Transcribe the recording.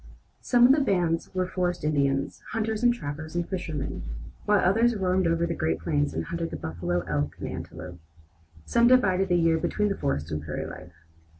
Some of the bands were forest Indians, hunters and trappers and fishermen, while others roamed over the Great Plains and hunted the buffalo, elk, and antelope. Some divided the year between the forest and prairie life.